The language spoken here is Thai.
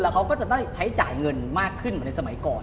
เขาก็จะได้ใช้จ่ายเงินมากขึ้นเหมือนในสมัยก่อน